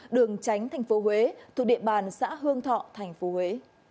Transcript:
đường tránh tp huế thuộc địa bàn xã hương thọ tp huế